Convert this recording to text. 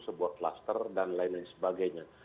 sebuah kluster dan lain lain sebagainya